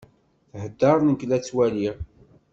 Thedder, nek la tt-ttwaliɣ.